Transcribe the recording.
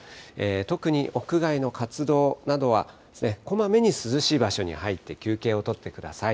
特に屋外の活動などは、こまめに涼しい場所に入って休憩を取ってください。